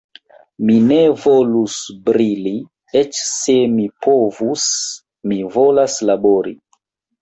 Mi ne volus brili, eĉ se mi povus; mi volas labori.